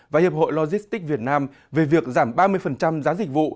và hiệp hội logistics việt nam về việc giảm ba mươi giá dịch vụ